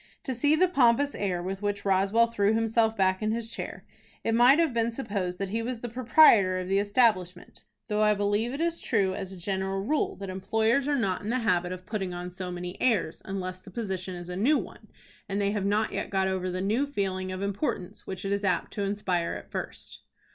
To see the pompous air with which Roswell threw himself back in his chair, it might have been supposed that he was the proprietor of the establishment, though I believe it is true, as a general rule, that employers are not in the habit of putting on so many airs, unless the position is a new one, and they have not yet got over the new feeling of importance which it is apt to inspire at first.